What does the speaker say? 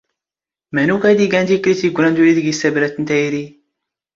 ⵎⴰⵏⵓⴽ ⴰⴷ ⵉⴳⴰⵏ ⵜⵉⴽⴽⵍⵉⵜ ⵉⴳⴳⵯⵔⴰⵏ ⵜⵓⵔⵉⵜ ⴳⵉⵙ ⵜⴰⴱⵔⴰⵜ ⵏ ⵜⴰⵢⵔⵉ?